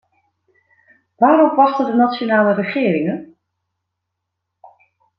Waarop wachten de nationale regeringen?